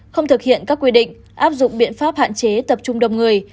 không thực hiện các quy định áp dụng biện pháp hạn chế tập trung đông người